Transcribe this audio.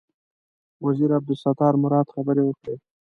وزیر عبدالستار مراد خبرې وکړې.